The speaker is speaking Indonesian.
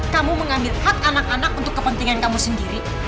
kamu mengambil hak anak anak untuk kepentingan kamu sendiri